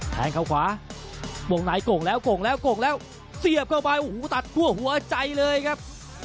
แทงเข้าขวางในโก่งแล้วโก่งแล้วโก่งแล้วเสียบเข้าไปโอ้โหตัดคั่วหัวใจเลยครับ